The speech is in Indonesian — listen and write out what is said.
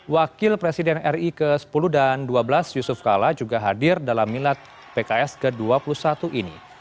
wakil presiden ri ke sepuluh dan ke dua belas yusuf kala juga hadir dalam milad pks ke dua puluh satu ini